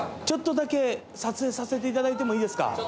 ちょっとだけ撮影させていただいてもいいですか？